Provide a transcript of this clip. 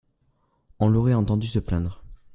On l'aurait entendu se plaindre.